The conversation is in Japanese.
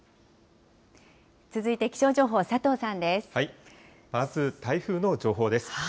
続いて気象情報、まず、台風の情報です。